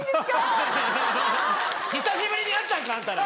久しぶりに会ったんかあんたら。